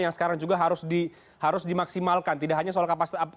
yang sekarang juga harus dimaksimalkan tidak hanya soal kapasitas